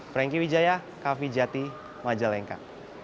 franky wijaya kvjati majalengka